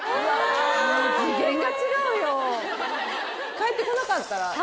帰ってこなかったらね